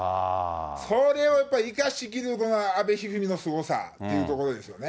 それをやっぱ生かしきる、この阿部一二三のすごさというところですよね。